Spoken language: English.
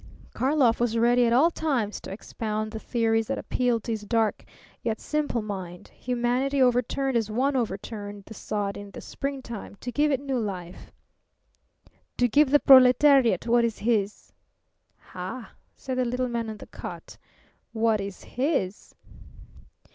Karlov was ready at all times to expound the theories that appealed to his dark yet simple mind humanity overturned as one overturned the sod in the springtime to give it new life. "To give the proletariat what is his." "Ha!" said the little man on the cot. "What is his?"